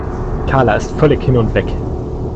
Karla ist völlig hin und weg.